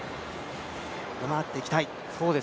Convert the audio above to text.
上回っていきたい。